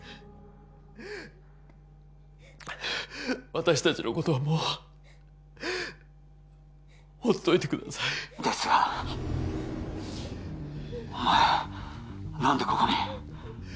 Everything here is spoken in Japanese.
私達のことはもうほっといてくださいですがお前何でここに？